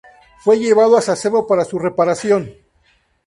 Fue llevado a Sasebo para su reparación.